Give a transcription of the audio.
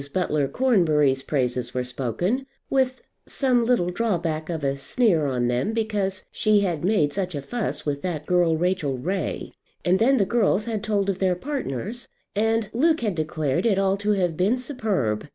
Butler Cornbury's praises were spoken, with some little drawback of a sneer on them, because "she had made such a fuss with that girl Rachel Ray;" and then the girls had told of their partners, and Luke had declared it all to have been superb.